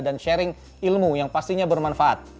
dan sharing ilmu yang pastinya bermanfaat